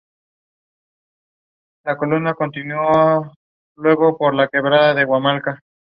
Las fuerzas rusas utilizaron globos aerostáticos con observadores de apoyo en la batalla.